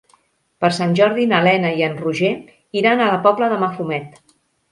Per Sant Jordi na Lena i en Roger iran a la Pobla de Mafumet.